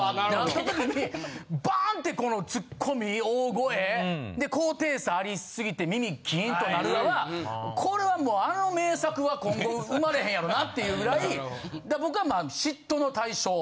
その時にバン！ってこのツッコミ大声高低差あり過ぎて耳キーンとなるのはこれはもうあの名作は今後生まれへんやろなっていうぐらい僕はまあ嫉妬の対象